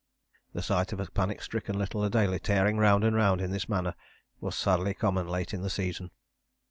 The sight of a panic stricken little Adélie tearing round and round in this manner was sadly common late in the season."